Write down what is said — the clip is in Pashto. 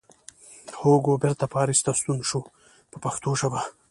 هوګو بېرته پاریس ته ستون شو په پښتو ژبه.